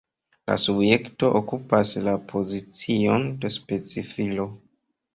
La subjekto okupas la pozicion de specifilo.